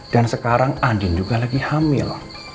dan sekarang andin juga lagi hamil